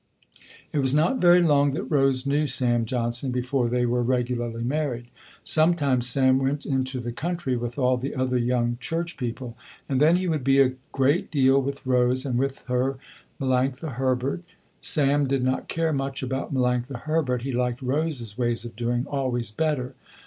It was not very long that Rose knew Sam Johnson, before they were regularly married. Sometimes Sam went into the country with all the other young church people, and then he would be a great deal with Rose and with her Melanctha Herbert. Sam did not care much about Melanctha Herbert. He liked Rose's ways of doing, always better.